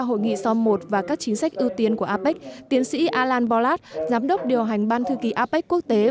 hội nghị som một và các chính sách ưu tiên của apec tiến sĩ alan bolat giám đốc điều hành ban thư ký apec quốc tế